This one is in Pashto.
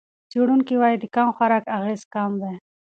څېړونکي وايي د کم خوراک اغېز کم دی.